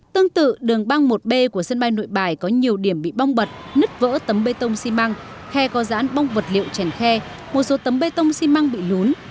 tương tự đường băng một b của sân bay nội bài có nhiều điểm bị bong bật nứt vỡ tấm bê tông xi măng khoe co giãn bong vật liệu chèn khe một số tấm bê tông xi măng bị lún